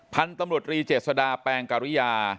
พันธุ์ตำรวจรีเจษดาแปงกริยา